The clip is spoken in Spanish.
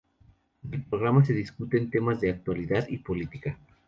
En el programa se discuten temas de actualidad y política.